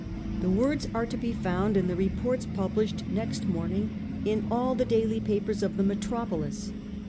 The words are to be found in the reports published next morning in all the daily papers of the metro polis.